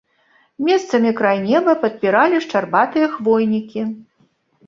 Месцамі край неба падпіралі шчарбатыя хвойнікі.